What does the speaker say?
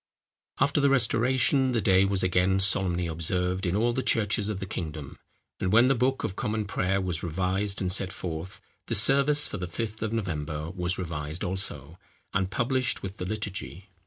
After the restoration, the day was again solemnly observed in all the churches of the kingdom; and when the Book of Common Prayer was revised and set forth, the service for the Fifth of November was revised also, and published with the Liturgy.